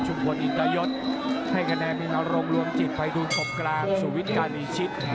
ชุมพลอิงกะยดให้กระแนนมินาลงรวมจิตไฟดูลครบกราบสวิทย์การีชิต